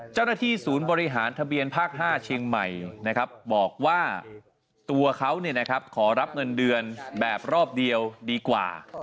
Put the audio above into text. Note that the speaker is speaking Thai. เจ้าหน้าที่ศูนย์บริหารทะเบียนภาค๕เชียงใหม่บอกว่าตัวเขาขอรับเงินเดือนแบบรอบเดียวดีกว่า